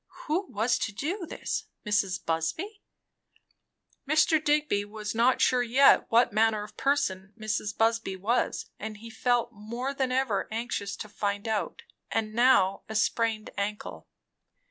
Who was to do this? Mrs. Busby? Mr. Digby was not sure yet what manner of person Mrs. Busby was; and he felt more than ever anxious to find out. And now a sprained ankle!